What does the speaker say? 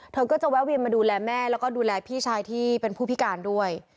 เธอก็จะแวะเวียนมาดูแลแม่แล้วก็ดูแลพี่ชายที่เป็นผู้พิการด้วย